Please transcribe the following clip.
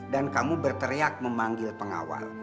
kamu berteriak memanggil pengawal